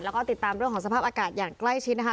แล้วก็ติดตามเรื่องของสภาพอากาศอย่างใกล้ชิดนะคะ